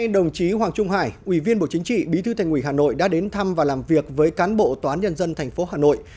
đồng chí hoàng trung hải ủy viên bộ chính trị bí thư thành ủy hà nội đã đến thăm và làm việc với cán bộ tòa án nhân dân tp hà nội